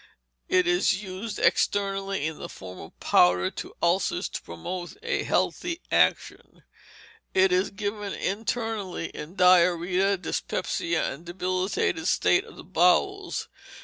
It is used externally in the form of powder to ulcers, to promote a healthy action. It is given internally in diarrhoea, dyspepsia, and a debilitated state of the bowels.